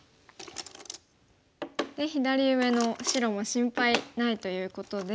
左上の白も心配ないということで。